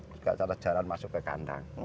juga cara jalan masuk ke kandang